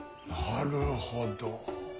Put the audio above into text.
なるほど。